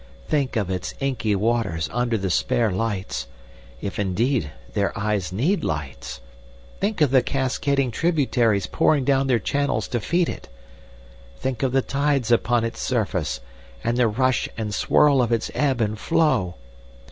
Think of its inky waters under the spare lights—if, indeed, their eyes need lights! Think of the cascading tributaries pouring down their channels to feed it! Think of the tides upon its surface, and the rush and swirl of its ebb and flow!